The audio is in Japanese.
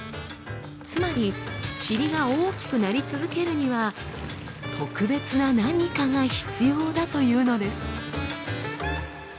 つまりチリが大きくなり続けるには特別な何かが必要だというのです。